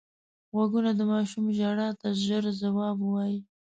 غوږونه د ماشوم ژړا ته ژر ځواب وايي